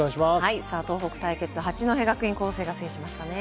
東北対決、八戸学院光星が制しました。